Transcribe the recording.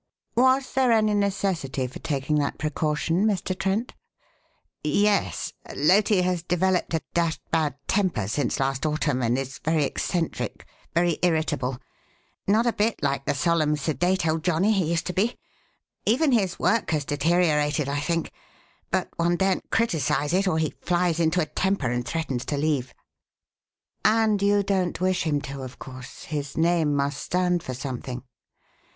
"Was there any necessity for taking that precaution, Mr. Trent?" "Yes. Loti has developed a dashed bad temper since last autumn and is very eccentric, very irritable not a bit like the solemn, sedate old johnnie he used to be. Even his work has deteriorated, I think, but one daren't criticise it or he flies into a temper and threatens to leave." "And you don't wish him to, of course his name must stand for something."